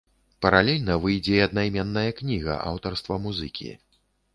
Паралельна выйдзе і аднайменная кніга аўтарства музыкі.